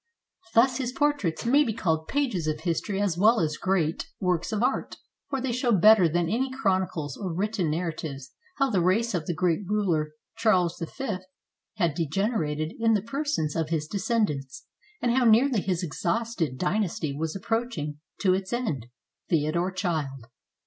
Thus his portraits may be called pages of history as well as great S19 SPAIN works of art, for they show better than any chronicles or written narratives how the race of the great ruler Charles V had degenerated in the persons of his descendants, and how nearly his exhausted dynasty was approaching to its end. Theodore Child.